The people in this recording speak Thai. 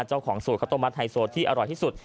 เจ้าของสูตรข้าวต้มมัดไฮโซที่อร่อยที่สุด